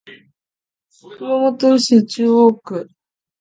熊本市中央区